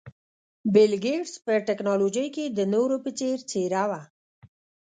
بل ګېټس په ټکنالوژۍ کې د نورو په څېر څېره وه.